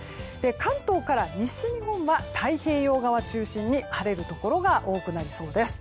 関東から西日本は太平洋側を中心に晴れるところが多くなりそうです。